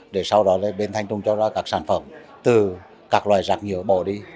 để sau đó bên thanh tùng cho ra các sản phẩm từ các loài rạc nhựa bỏ đi